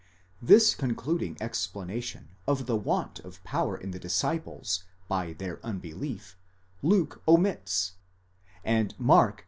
45 This concluding explanation of the want of power in the disciples, by their unbelief, Luke omits: and Mark.